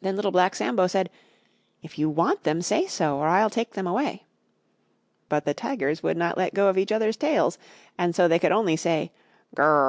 Then Little Black Sambo said, "If you want them, say so, or I'll take them away." But the Tigers would not let go of each others' tails, and so they could only say "Gr r r rrrrrr!"